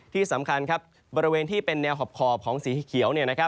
ที่สำคัญครับบริเวณที่เป็นแนวขอบของสีเขียว